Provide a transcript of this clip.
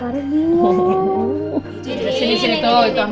harusnya aku bisa kuat untuk anak anakku